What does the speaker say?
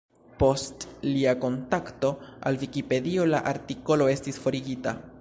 Post lia kontakto al Vikipedio, la artikolo estis forigita.